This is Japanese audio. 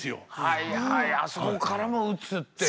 はいはいあそこからもうつっていう。